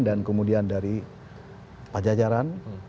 dan kemudian dari pajajaran